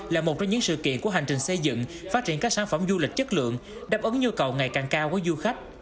là một trong những sự kiện của hành trình xây dựng phát triển các sản phẩm du lịch chất lượng đáp ứng nhu cầu ngày càng cao của du khách